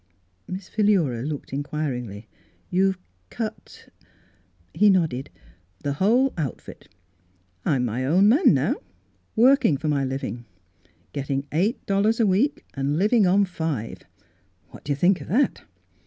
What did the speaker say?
Miss Philura looked inquiringly. " You've cut —?" He nodded. " The whole outfit. I'm my own man now ; working for my living. Getting eight dollars a week, and living on five. What do you think of that.?